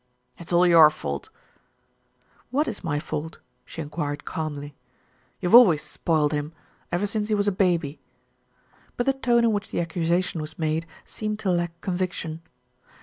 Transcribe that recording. "It's all your fault." "What is my fault?" she enquired calmly. "You've always spoiled him, ever since he was a baby"; but the tone in which the accusation was made seemed to lack conviction.